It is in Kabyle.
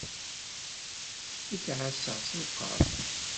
Ad k-ɛasseɣ s lqerb.